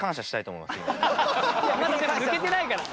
まだ抜けてないから。